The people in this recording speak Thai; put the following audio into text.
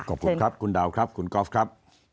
ขอบคุณครับคุณดาวครับคุณกอล์ฟครับ